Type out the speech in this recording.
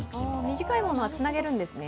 短いものはつなげるんですね。